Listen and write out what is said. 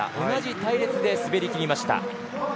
同じ隊列で滑りきりました。